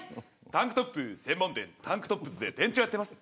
タンクトップ専門店タンクトップスで店長やってます。